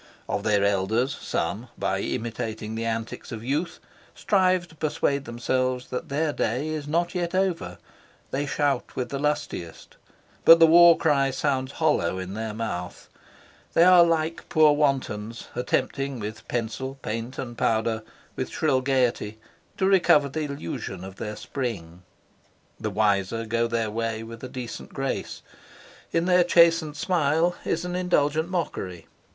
Of their elders some, by imitating the antics of youth, strive to persuade themselves that their day is not yet over; they shout with the lustiest, but the war cry sounds hollow in their mouth; they are like poor wantons attempting with pencil, paint and powder, with shrill gaiety, to recover the illusion of their spring. The wiser go their way with a decent grace. In their chastened smile is an indulgent mockery.